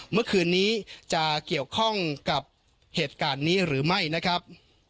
เมื่อคืนนี้จะเกี่ยวข้องกับเหตุการณ์นี้หรือไม่นะครับ